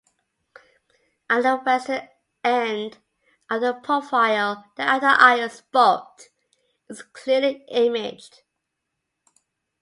At the western end of the profile the Outer Isles Fault is clearly imaged.